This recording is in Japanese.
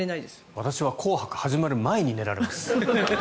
私は「紅白」が始まる前に寝られます。